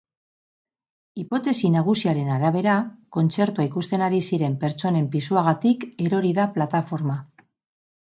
Hipotesi nagusiaren arabera, kontzertua ikusten ari ziren pertsonen pisuagatik erori da plataforma.